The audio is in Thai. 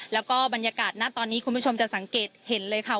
แล้วก็บรรยากาศณตอนนี้คุณผู้ชมจะสังเกตเห็นเลยค่ะ